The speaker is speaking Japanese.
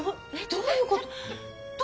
どういうこと？